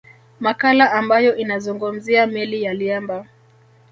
Makala ambayo inazungumzia meli ya Liemba